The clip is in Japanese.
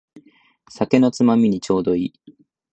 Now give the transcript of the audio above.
酒のつまみにちょうどいい